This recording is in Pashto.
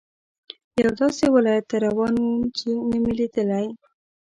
یوه داسې ولایت ته روان وم چې نه مې لیدلی.